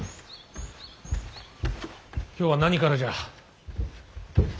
今日は何からじゃ。